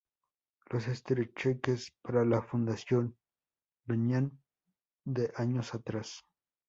Las estrecheces para la fundación venían de años atrás.